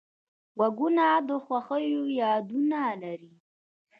غوږونه د خوښیو یادونه لري